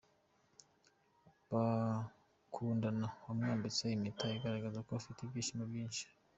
bakundana wamwambitse impeta agaragaza ko afite ibyishimo byinshi.